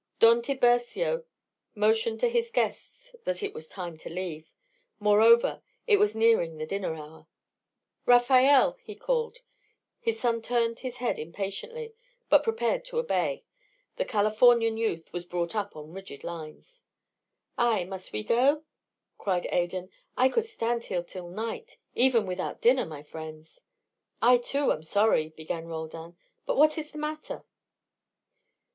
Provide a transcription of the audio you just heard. Don Tiburcio motioned to his guests that it was time to leave; moreover, it was nearing the dinner hour. "Rafael!" he called. His son turned his head impatiently, but prepared to obey; the Californian youth was brought up on rigid lines. "Ay, must we go?" cried Adan. "I could stand here till night, even without dinner, my friends." "I, too, am sorry," began Roldan. "But what is the matter?"